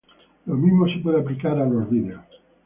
Lo mismo se puede aplicar a los vídeos.